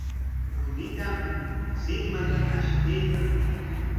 Rumita wasinman ashtaykan.